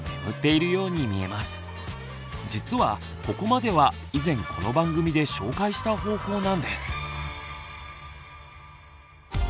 実はここまでは以前この番組で紹介した方法なんです。